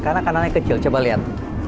karena kanalnya kecil coba lihat